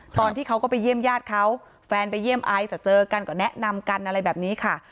ตอนที่เขาก็ไปเยี่ยมญาติเขาแฟนไปเยี่ยมไอซ์จะเจอกันก็แนะนำกันอะไรแบบนี้ค่ะ